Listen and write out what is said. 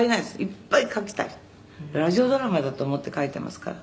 いっぱい書きたい」「ラジオドラマだと思って書いてますから」